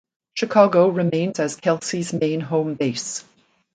Chicago remains as Kelsey’s main home base.